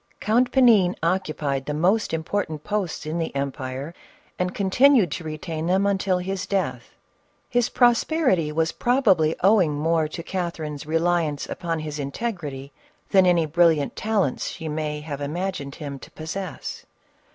Count Panin occupied the most important posts in the empire, and continued to retain them until his death ; his prosperity was probably owing more to Catherine's reliance upon his integrity than any bril liant talents she could have imagined him to possess.